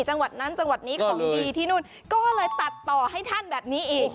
จังหวัดนั้นจังหวัดนี้ของดีที่นู่นก็เลยตัดต่อให้ท่านแบบนี้อีก